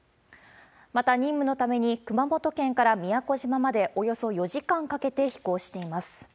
また、任務のために熊本県から宮古島までおよそ４時間かけて飛行しています。